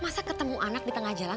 masa ketemu anak di tengah jalan